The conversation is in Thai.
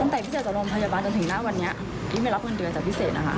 ตั้งแต่พิเศษจบรวมพยาบาลจนถึงหน้าวันนี้อีฟไม่รับคืนเดือนจากพิเศษนะคะ